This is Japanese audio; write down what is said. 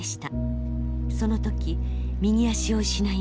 その時右足を失いました。